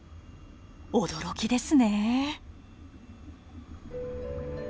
驚きですね。